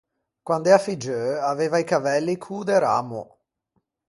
Quand’ea figgeu aveiva i cavelli cô de rammo.